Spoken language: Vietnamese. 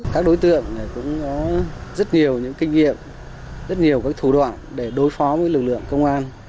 các đối tượng cũng có rất nhiều những kinh nghiệm rất nhiều các thủ đoạn để đối phó với lực lượng công an